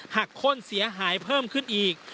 ข้นเสียหายเพิ่มขึ้นอีก